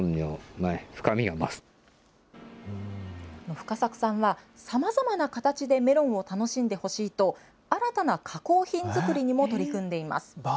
深作さんは、さまざまな形でメロンを楽しんでほしいと、新たな加工品作りにも取り組んでいます。